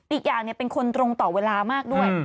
อีกอย่างเป็นคนตรงต่อเวลามากด้วย